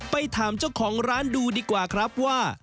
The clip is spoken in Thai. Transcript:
ไปถามเจ้าของร้านดูดีกว่าครับว่า